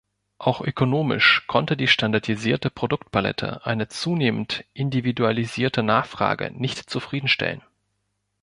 Auch ökonomisch konnte die standardisierte Produktpalette eine zunehmend individualisierte Nachfrage nicht zufriedenstellen.